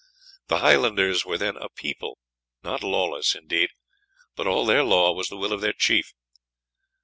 The Highlanders were then a people, not lawless, indeed, but all their law was the will of their chief.